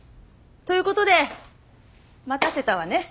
ということで待たせたわね